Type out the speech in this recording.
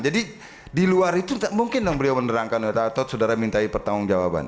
jadi di luar itu tidak mungkin beliau menerangkan atau saudara minta pertanggung jawaban